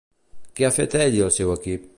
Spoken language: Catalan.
Què ha fet ell i el seu equip?